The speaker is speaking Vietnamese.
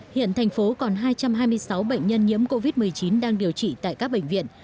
hiện thành phố còn hai trăm hai mươi sáu bệnh nhân nhiễm covid một mươi chín đang điều trị tại các bệnh viện